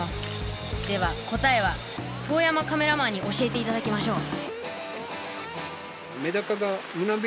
では答えは東山カメラマンに教えて頂きましょう。